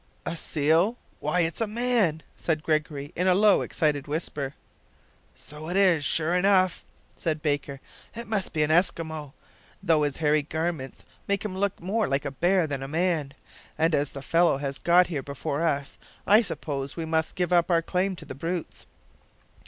"A seal! why, it's a man!" said Gregory, in a low, excited whisper. "So it is, sure enough," said Baker; "it must be an Eskimo, though his hairy garments make him look more like a bear than a man, and as the fellow has got here before us, I suppose we must give up our claim to the brutes."